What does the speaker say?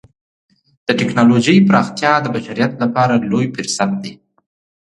د ټکنالوجۍ پراختیا د بشریت لپاره لوی فرصت دی.